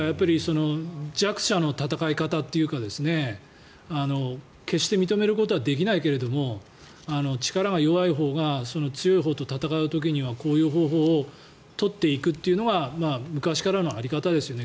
弱者の戦い方というか決して認めることはできないけれども力が弱いほうが強いほうと戦う時にはこういう方法を取っていくというのが昔からの在り方ですよね